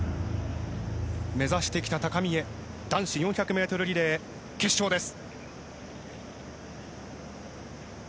目指してきた高みへ男子４００ｍリレー決勝です。